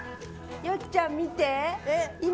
よっちゃん見て。